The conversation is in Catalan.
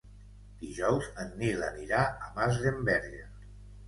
Dijous en Nil anirà a Masdenverge.